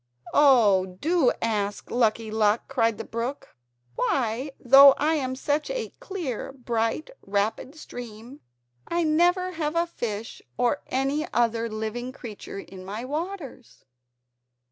"Oh, do ask Lucky Luck," cried the brook, "why, though I am such a clear, bright, rapid stream I never have a fish or any other living creature in my waters."